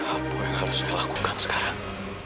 apa yang harus saya lakukan sekarang